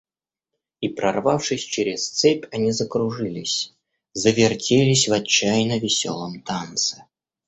И, прорвавшись через цепь, они закружились, завертелись в отчаянно веселом танце.